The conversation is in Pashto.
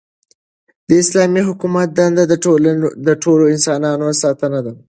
د اسلامي حکومت دنده د ټولو انسانانو ساتنه ده.